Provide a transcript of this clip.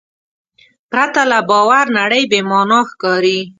پرته له باور نړۍ بېمانا ښکاري.